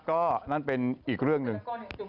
ก็นั่นเป็นอีกเรื่องหนึ่ง